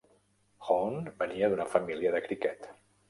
Hone venia d'una família de criquet.